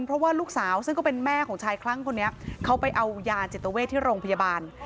เพราะว่าลูกสาวซึ่งก็เป็นแม่ของชายคลั่งคนนี้เขาไปเอายาจิตเวทที่โรงพยาบาล